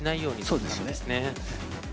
そうですね。